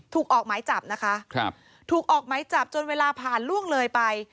ถูกออกไม้จับนะคะถูกออกไม้จับจนเวลาผ่านล่วงเลยไป